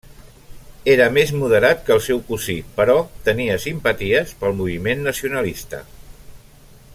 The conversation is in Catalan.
Era més moderat que el seu cosí però tenia simpaties pel moviment nacionalista.